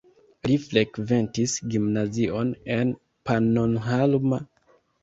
Li frekventis gimnazion en Pannonhalma.